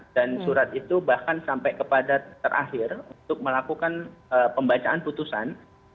dan surat itu bahkan sampai kepada terakhir untuk melakukan pembacaan putusan